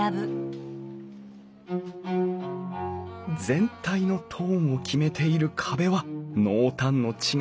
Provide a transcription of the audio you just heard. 全体のトーンを決めている壁は濃淡の違うクリーム色。